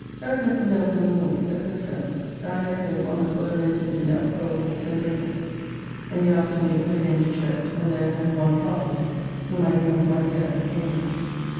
Heard Mr. Mills in the morning, a good sermon. Dined at home on a poor Lenten dinner of coleworts and bacon. In the afternoon again to church, and there heard one Castle, whom I knew of my year at Cambridge.